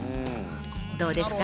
どうですか？